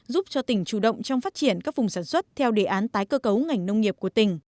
giúp cho tỉnh chủ động trong phát triển các vùng sản xuất theo đề án tái cơ cấu ngành nông nghiệp của tỉnh